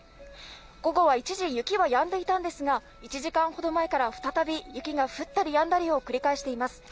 午後は一時、雪はやんでいたんですが、１時間ほど前から再び雪が降ったりやんだりを繰り返しています。